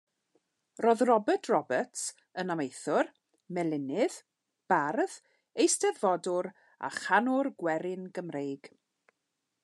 Roedd Robert Roberts yn amaethwr, melinydd, bardd, eisteddfodwr a chanwr gwerin Gymreig.